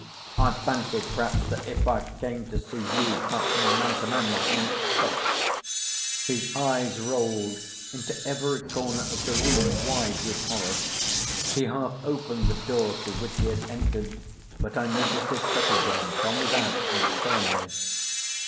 "I—fancied p'raps that if I came to see you—ma—man to man like, Miss. But——" His eyes rolled into every corner of the room wide with horror. He half opened the door through which he had entered, but I noticed it shut again—from without and firmly.